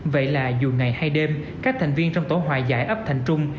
vậy là dù ngày hay đêm các thành viên trong tổ hòa giải ấp thành trung